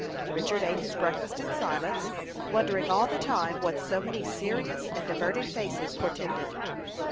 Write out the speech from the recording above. Richard ate his breakfast in silence, wondering all the time what so many serious and averted faces portended.